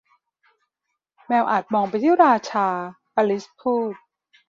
แมวอาจมองไปที่ราชา อลิซพูด